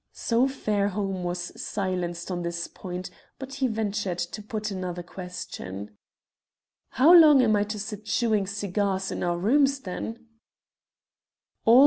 So Fairholme was silenced on this point, but he ventured to put another question. "How long am I to sit chewing cigars in our rooms, then?"